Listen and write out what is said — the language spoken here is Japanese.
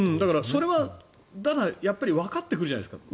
それはわかってくるじゃないですか。